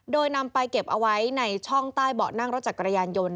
โดยนำไปเก็บเอาไว้ในช่องใต้เบาะนั่งรถจักรยานยนต์